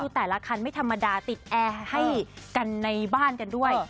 แต่ละคันไม่ธรรมดาติดแอร์ให้กันในบ้านกันด้วย